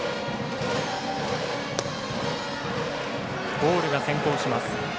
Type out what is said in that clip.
ボールが先行します。